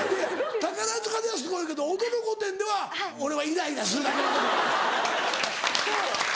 宝塚ではすごいけど『踊る！御殿』では俺はイライラするだけのこと。